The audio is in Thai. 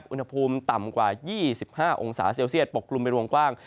อุณหภูมิต่ำกว่า๒๕องศาเซลเซียตปกกลุ่มเป็นวงกว้าง